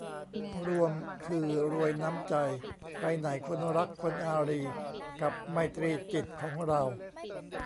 รวมคือรวยน้ำใจไปไหนคนรักคนอารีย์กับไมตรีจิตของเรา